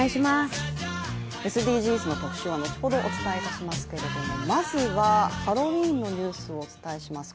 ＳＤＧｓの特集は後ほどお伝えいたしますけれどもまずは、ハロウィーンのニュースをお伝えします。